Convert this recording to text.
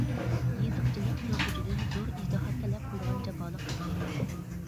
يېزىقچىلىق يازغۇچىدىن زور ئىجتىھات تەلەپ قىلىدىغان جاپالىق ئەمگەك.